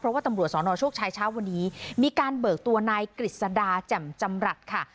เพราะว่าตำรวจสนโชคชัยเช้าวันนี้มีการเบิกตัวนายกฤษดาแจ่มจำรัฐค่ะ